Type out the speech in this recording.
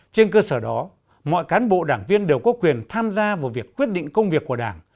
trên cơ sở đó mọi cán bộ đảng viên đều có quyền tham gia vào việc quyết định công việc của đảng